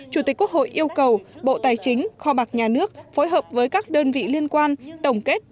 chủ tịch quốc hội yêu cầu bộ tài chính kho bạc nhà nước phối hợp với các đơn vị liên quan tổng kết